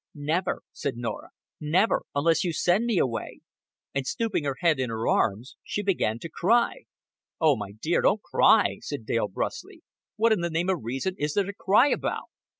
"Never," said Norah. "Never unless you send me away;" and stooping her head on her arms, she began to cry. "Oh, my dear, don't cry," said Dale bruskly. "What in the name of reason is there to cry about?"